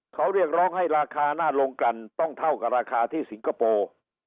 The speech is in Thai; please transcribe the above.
เขาเรียกร้องให้ราคาหน้าลงกันต้องเท่ากับราคาที่สิงคโปร์